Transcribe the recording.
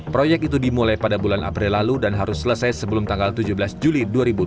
proyek itu dimulai pada bulan april lalu dan harus selesai sebelum tanggal tujuh belas juli dua ribu dua puluh